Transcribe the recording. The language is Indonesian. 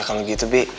ya kalau gitu bi